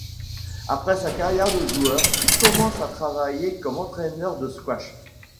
Après sa carrière de joueur, il commence à travailler comme entraîneur de squash.